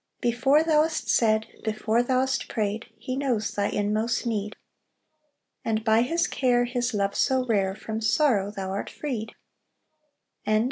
Before thou'st said, Before thou'st prayed, He knows thy inmost need. And by His care, His love so rare, From sorrow thou art freed.